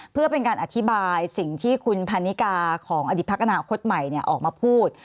เพื่อเป็นการอธิบายสิ่งที่คุณพันนิกาของอดีตพักอนาคตใหม่ออกมาพูด